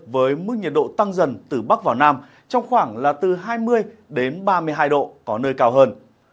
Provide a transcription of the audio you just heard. với mức nhiệt độ tăng dần từ bắc vào nam trong khoảng là từ hai mươi đến ba mươi hai độ có nơi cao hơn